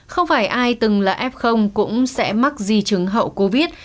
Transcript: không phải ai từng là f cũng sẽ mắc di chứng hậu covid